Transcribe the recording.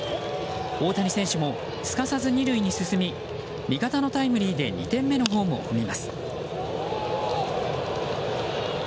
大谷選手もすかさず２塁へ進み味方のタイムリーで２点目のホームを踏みます。